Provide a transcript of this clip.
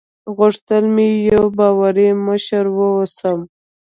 غوښتل مې یوه باوري مشره واوسم.